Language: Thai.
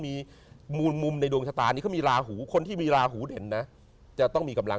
มีมุมในดวงชะตานี่ก็มีลาหูคนที่มีลาหูเด่นจะต้องมีกำลัง